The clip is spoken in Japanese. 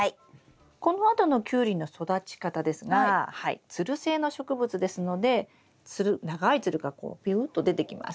このあとのキュウリの育ち方ですがつる性の植物ですのでつる長いつるがこうビューッと出てきます。